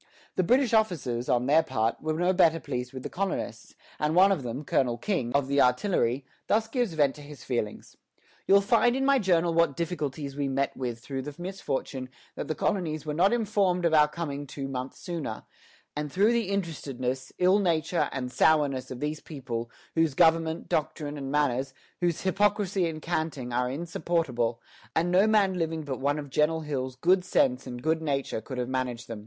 The British officers, on their part, were no better pleased with the colonists, and one of them, Colonel King, of the artillery, thus gives vent to his feelings: "You'll find in my Journal what Difficultyes we mett with through the Misfortune that the Coloneys were not inform'd of our Coming two Months sooner, and through the Interestedness, ill Nature, and Sowerness of these People, whose Government, Doctrine, and Manners, whose Hypocracy and canting, are insupportable; and no man living but one of Gen'l Hill's good Sense and good Nature could have managed them.